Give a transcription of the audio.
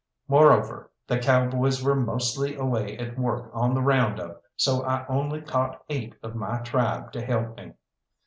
Moreover, the cowboys were mostly away at work on the round up, so I only caught eight of my tribe to help me.